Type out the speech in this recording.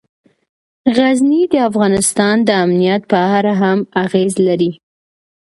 غزني د افغانستان د امنیت په اړه هم اغېز لري.